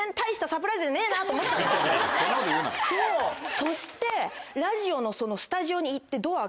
そしてラジオのスタジオに行って。